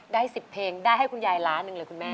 ได้๑๐เพลงได้ให้คุณยายล้านหนึ่งเลยคุณแม่